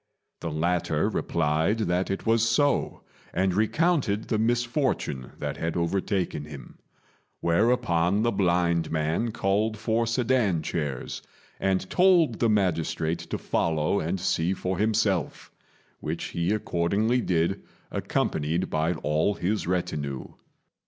The latter replied that it was so, and recounted the misfortune that had overtaken him; whereupon the blind man called for sedan chairs, and told the magistrate to follow and see for himself, which he accordingly did, accompanied by all his retinue.